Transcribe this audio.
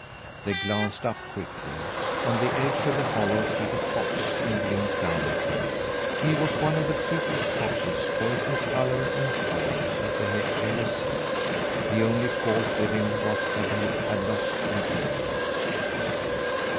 They glanced up quickly. On the edge of the hollow sat a fox and blinked down at them. He was one of the prettiest foxes both in colour and form that they had ever seen. The only fault with him was that he had lost an ear.